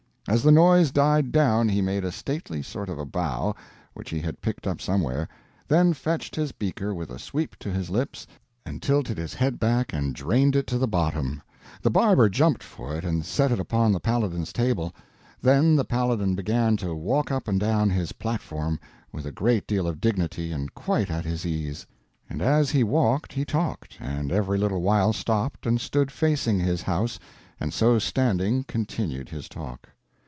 As the noise died down he made a stately sort of a bow, which he had picked up somewhere, then fetched his beaker with a sweep to his lips and tilted his head back and drained it to the bottom. The barber jumped for it and set it upon the Paladin's table. Then the Paladin began to walk up and down his platform with a great deal of dignity and quite at his ease; and as he walked he talked, and every little while stopped and stood facing his house and so standing continued his talk.